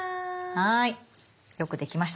はい。